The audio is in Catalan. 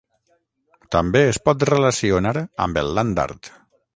També es pot relacionar amb el Land art.